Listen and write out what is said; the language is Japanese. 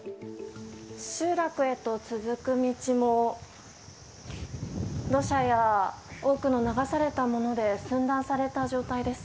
集落へと続く道も、土砂や多くの流されたもので寸断された状態です。